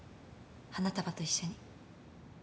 花束と一緒に。